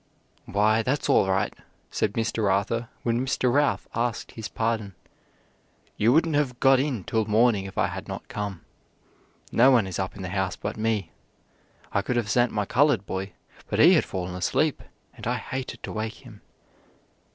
"Why, that's all right," said Mr. Arthur when Mr. Ralph asked his pardon. "You wouldn't have got in till morning if I had not come. No one is up in the house but me. I could have sent my colored boy, but he had fallen asleep and I hated to wake him."